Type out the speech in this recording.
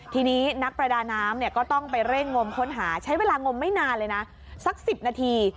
ทีนี้นักประดาน้ำเนี่ยก็ต้องไปเร่งงมค้นหาใช้เวลางมไม่นานเลยนะสัก๑๐นาที